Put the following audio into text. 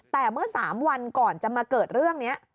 แต่เมื่อ๓วันก่อนจะมาเกิดเรื่องนี้